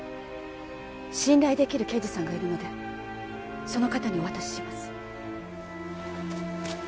信頼できる刑事さんがいるのでその方にお渡しします。